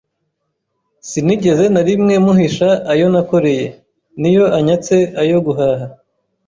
sinigeze na rimwe muhisha ayo nakoreye, n’iyo anyatse ayo guhaha,